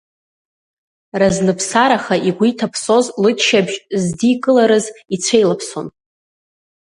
Разныԥсараха игәы иҭаԥсоз лыччабжь здикыларыз ицәеилаԥсон…